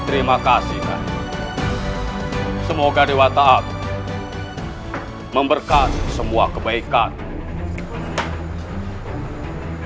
terima kasih semoga dewa ta'ala memberkati semua kebaikan